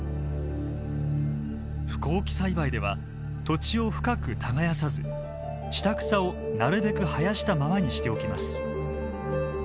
不耕起栽培では土地を深く耕さず下草をなるべく生やしたままにしておきます。